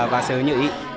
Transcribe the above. và sự nhự ý